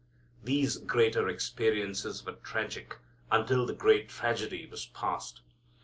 These greater experiences were tragic until the great tragedy was past.